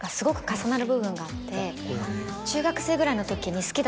中学生ぐらいの時に。